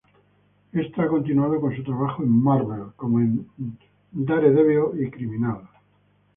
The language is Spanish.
Esto ha continuado con su trabajo en Marvel, como en "Daredevil" y "Criminal".